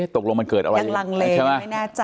ตกลงมันเกิดอะไรยังลังเลไม่แน่ใจ